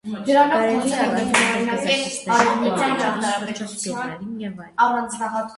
Կարելի է առանձնացնել կզաքիսներին, կոալաներին, թռչող սկյուռներին և այլն։